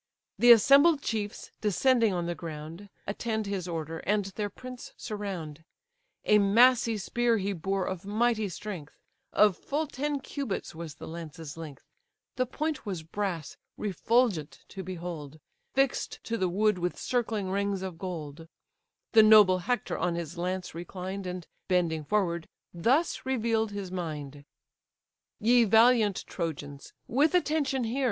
The assembled chiefs, descending on the ground, Attend his order, and their prince surround. A massy spear he bore of mighty strength, Of full ten cubits was the lance's length; The point was brass, refulgent to behold, Fix'd to the wood with circling rings of gold: The noble Hector on his lance reclined, And, bending forward, thus reveal'd his mind: "Ye valiant Trojans, with attention hear!